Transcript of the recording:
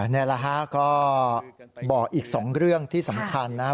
นี่แหละครับก็บอกอีกสองเรื่องที่สำคัญนะครับ